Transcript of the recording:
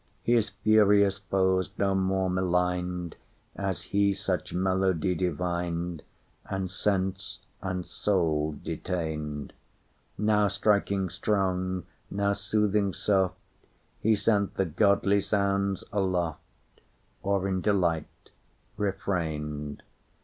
His furious foes no more malignedAs he such melody divined, And sense and soul detained; Now striking strong, now soothing soft, He sent the godly sounds aloft, Or in delight refrained.